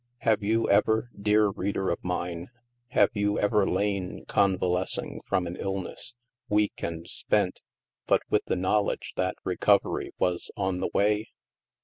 Have you ever, dear reader of mine, have you ever lain convalescing from an illness, weak and spent, but with the knowledge that recovery was on the way?